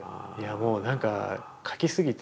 もうなんか描きすぎて